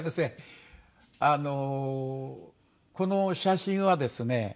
あのこの写真はですね